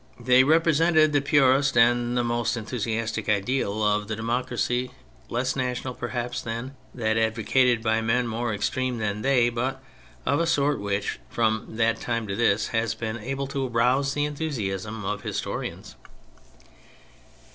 They represented the purest and the most enthusiastic ideal of democracy, less national, perhaps, than that advocated by men more extreme than they, but of a sort which, from that time to this, has been able to rouse the enthusiasm of historians.